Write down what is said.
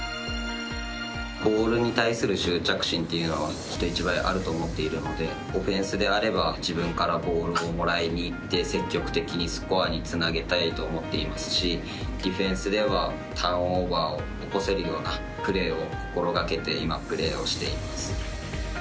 ボールに対する執着心というのは人一倍あると思っているのでオフェンスであれば自分からボールをもらいにいって積極的にスコアにつなげたいと思っていますしディフェンスではターンオーバーを起こせるようなプレーを心がけて今、プレーをしています。